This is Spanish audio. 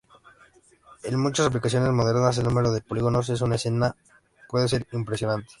En muchas aplicaciones modernas, el número de polígonos en una escena puede ser impresionante.